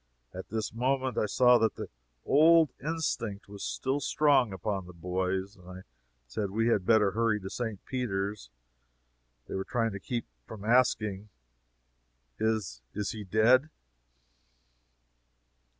At this moment I saw that the old instinct was strong upon the boys, and I said we had better hurry to St. Peter's. They were trying to keep from asking, "Is is he dead?"